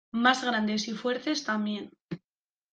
Más grandes y fuertes también.